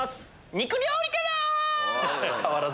肉料理から！